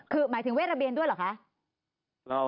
คือหมายถึงเวทระเบียนด้วยเหรอคะ